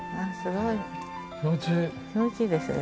気持ちいいですね。